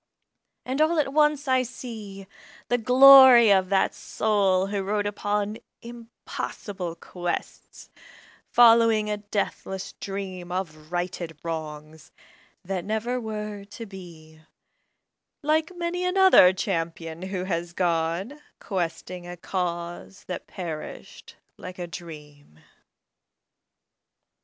And all at once I see The glory of that soul who rode upon Impossible quests, following a deathless dream Of righted wrongs, that never were to be, Like many another champion who has gone Questing a cause that perished like a dream.